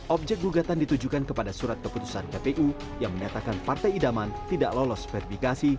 objek gugatan ditujukan kepada surat keputusan kpu yang menyatakan partai idaman tidak lolos verifikasi